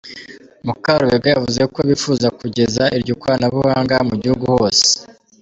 Mukarubega yavuze ko bifuza kugeza iryo koranabuhanga mu gihugu hose.